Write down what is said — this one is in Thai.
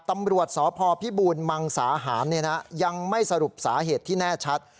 ตำรวจสพพิบูรมังสาหารยังไม่สรุปสาเหตุที่แน่ชัด